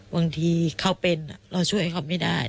บางทีเขาเป็นเราช่วยเขาไม่ได้